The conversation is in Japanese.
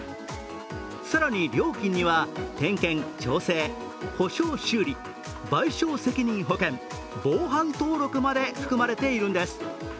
更に料金には点検、調整賠償責任保険、防犯登録まで含まれているんです。